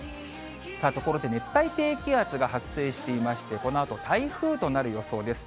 さあ、ところで熱帯低気圧が発生していまして、このあと台風となる予想です。